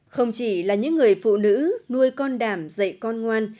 không chỉ là những người phụ nữ nuôi con đảm dạy con ngoan